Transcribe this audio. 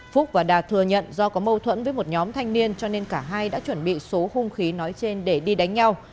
phúc và đạt thừa nhận do có mâu thuẫn với một nhóm thanh niên cho nên cả hai đã chuẩn bị số hung khí nói trên để đi đánh nhau